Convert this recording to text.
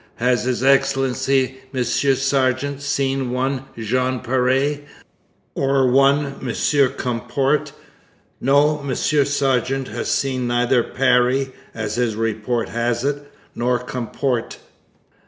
Has His Excellency, M. Sargeant, seen one Jean Péré, or one M. Comporte? No, M. Sargeant has seen neither 'Parry' as his report has it nor 'a Comporte.'